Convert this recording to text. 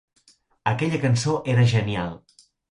Aquella cançó era genial.